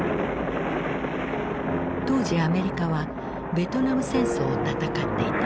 当時アメリカはベトナム戦争を戦っていた。